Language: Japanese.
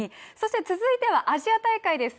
続いてはアジア大会です。